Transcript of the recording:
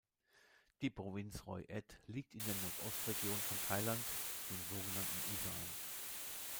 Die Provinz Roi Et liegt in der Nordostregion von Thailand, dem so genannten Isan.